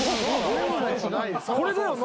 これだよな？